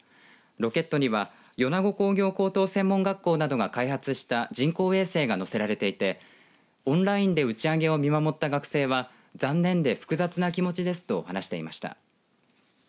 ロケットには米子工業高等専門学校などが開発した人工衛星が載せられていてオンラインで打ち上げを見守った学生は残念で複雑な気持ちですと話していました。